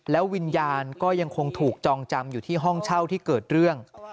แล้ววิญญาณก็ยังคงถูกจองจำอยู่ที่ห้องเช่าที่เกิดเรื่อง